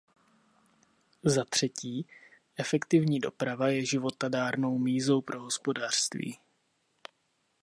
Zatřetí, efektivní doprava je životadárnou mízou pro hospodářství.